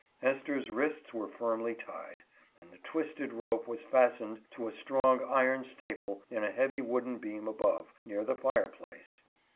Esther's wrists were firmly tied, and the twisted rope was fastened to a strong iron staple in a heavy wooden beam above, near the fire place.